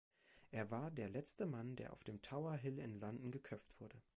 Er war der letzte Mann, der auf dem Tower Hill in London geköpft wurde.